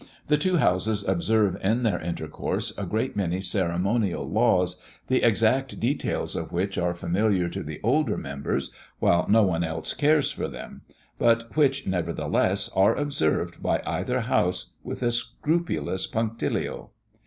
The two Houses observe in their intercourse a great many ceremonial laws, the exact details of which are familiar to the older members, while no one else cares for them, but which, nevertheless, are observed by either House with a scrupulous punctilio.